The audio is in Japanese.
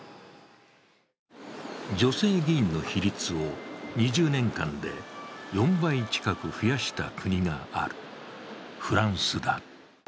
女性議員の比率を２０年間で４倍近く増やした国があるフランスだ。